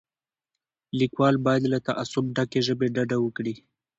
لیکوال باید له تعصب ډکې ژبې ډډه وکړي.